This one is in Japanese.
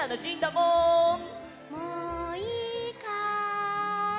・もういいかい？